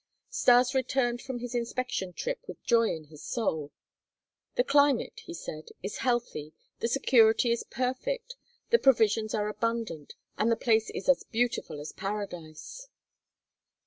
Stas returned from his inspection trip with joy in his soul. "The climate," he said, "is healthy; the security is perfect, the provisions are abundant, and the place is as beautiful as Paradise."